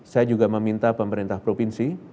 saya juga meminta pemerintah provinsi